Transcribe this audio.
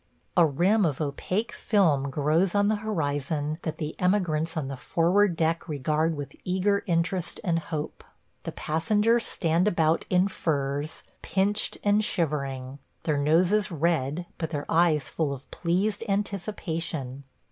... A rim of opaque film grows on the horizon that the emigrants on the forward deck regard with eager interest and hope. The passengers stand about in furs, pinched and shivering; their noses red, but their eyes full of pleased anticipation.